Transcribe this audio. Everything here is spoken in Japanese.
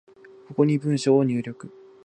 ここに文章を入力